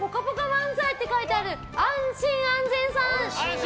漫才って書いてある安心安全さん。